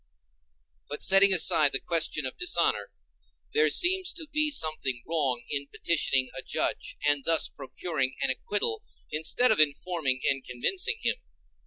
But, setting aside the question of dishonor, there seems to be something wrong in petitioning a judge, and thus procuring an acquittal instead of informing and convincing him.